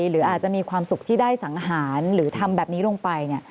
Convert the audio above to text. หรืออาจจะมีความสุขที่ได้สังหารหรือทำแบบนี้ลงไป